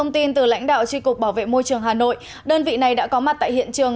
thông tin từ lãnh đạo tri cục bảo vệ môi trường hà nội đơn vị này đã có mặt tại hiện trường